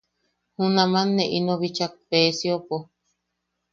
Junaman ne ino bichak Peesiopo.